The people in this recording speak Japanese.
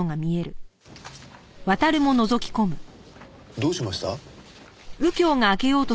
どうしました？